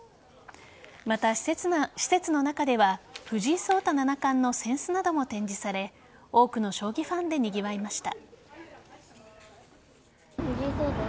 また、施設の中では藤井聡太七冠の扇子なども展示され多くの将棋ファンでにぎわいました。